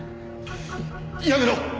やめろ！